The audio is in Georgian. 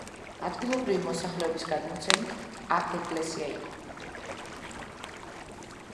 ადგილობრივი მოსახლეობის გადმოცემით აქ ეკლესია იყო.